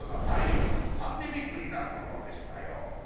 パンデミックになるところでしたよ。